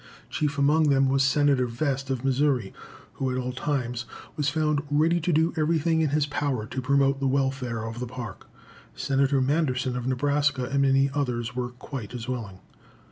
Chief among them was Senator Vest, of Missouri, who at all times was found ready to do everything in his power to promote the welfare of the Park. Senator Manderson, of Nebraska, and many others were quite as willing.